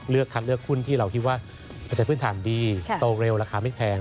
คัดเลือกหุ้นที่เราคิดว่าปัจจัยพื้นฐานดีโตเร็วราคาไม่แพง